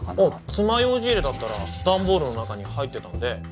爪楊枝入れだったら段ボールの中に入ってたんで